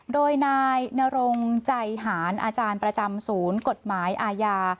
โดยนายนรงใจหารอาจารย์ประจำศูนย์กฎหมายอาญา